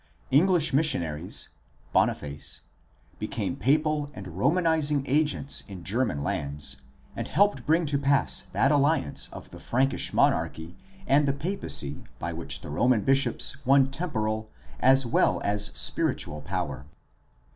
English missionaries (Boniface) became papal and Romanizing agents in German lands and helped bring to pass that alliance of the Frankish monarchy and the papacy by which the Roman bishops won temporal as well as spiritual power.